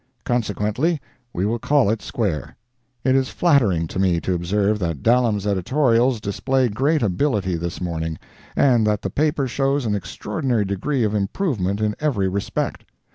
Consequently, we will call it square. It is flattering to me to observe that Dallam's editorials display great ability this morning, and that the paper shows an extraordinary degree of improvement in every respect.